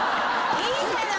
いいじゃない！